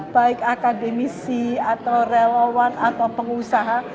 baik akademisi atau relawan atau pengusaha